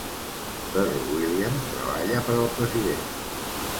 Pearl Williams treballa per al president.